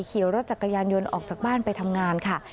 ขี่รถจักรยานยนต์ออกจากบ้านไปทำงานค่ะ